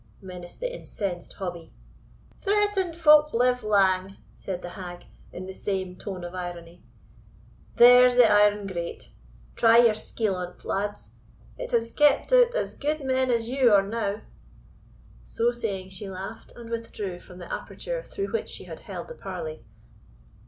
menaced the incensed Hobbie. "Threatened folks live lang," said the hag, in the same tone of irony; "there's the iron grate try your skeel on't, lads it has kept out as gude men as you or now." So saying, she laughed, and withdrew from the aperture through which she had held the parley.